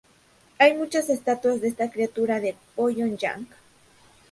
Hay muchas estatuas de esta criatura en Pyongyang.